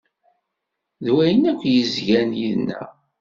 D wayen akk yezgan yid-neɣ.